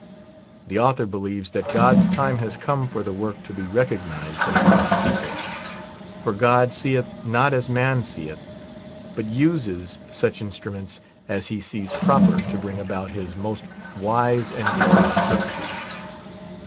The author believes that God's time has come for the work to be recognized among His people ; for God seeth not as man seeth, but uses such instruments as He sees proper to bring about His most wise and glorious purposes.